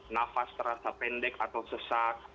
nafas terasa pendek atau sesak